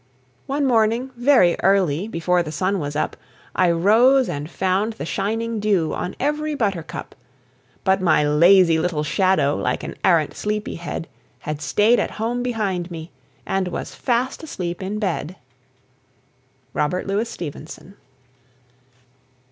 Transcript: One morning, very early, before the sun was up, I rose and found the shining dew on every buttercup; But my lazy little shadow, like an arrant sleepy head, Had stayed at home behind me and was fast asleep in bed. ROBERT LOUIS STEVENSON.